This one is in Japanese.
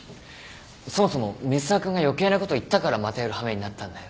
そもそも水沢君が余計なこと言ったからまたやる羽目になったんだよ。